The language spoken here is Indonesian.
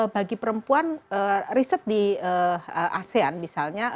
bagi perempuan riset di asean misalnya